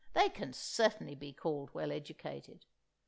They can certainly be called well educated.)